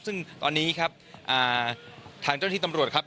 ซึ่งตอนนี้ครับทางเจ้าหน้าที่ตำรวจครับ